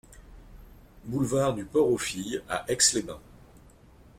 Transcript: Boulevard du Port aux Filles à Aix-les-Bains